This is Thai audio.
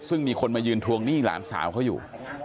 ซึ่งมีคนมายืนทวงหนี้หลานสาวเขาอยู่